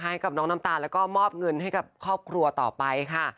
ให้กับน้องน้ำตาลแล้วก็มอบเงินให้กับครอบครัวต่อไปค่ะ